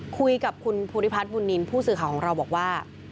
คุยกับคุณภูริพัฒน์บุญนินทร์ผู้สื่อข่าวของเราบอกว่า